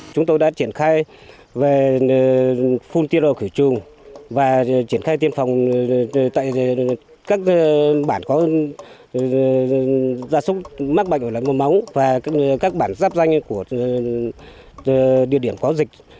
chúng tôi đã triển khai về full tiro khử trùng và triển khai tiêm phòng tại các bản có gia súc mắc bệnh lờ mồm long và các bản giáp danh của địa điểm có dịch